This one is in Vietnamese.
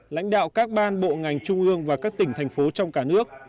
lãnh đạo các ban bộ ngành trung ương và các tỉnh thành phố trong cả nước